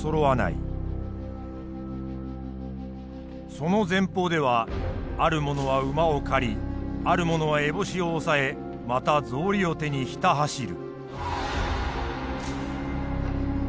その前方ではある者は馬を駆りある者はえぼしを押さえまた草履を手にひた走る。